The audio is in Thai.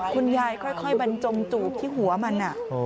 คุณยายค่อยบรรจมจูบที่หัวมัน